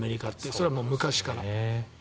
それはもう昔から。